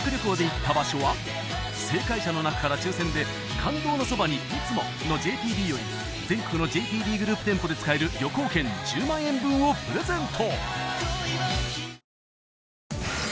正解者の中から抽選で「感動のそばに、いつも。」のＪＴＢより全国のＪＴＢグループ店舗で使える旅行券１０万円分をプレゼント！